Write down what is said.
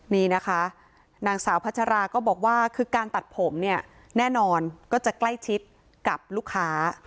นี่นะคะนางสาวพัชราก็บอกว่าคือการตัดผมเนี่ยแน่นอนก็จะใกล้ชิดกับลูกค้า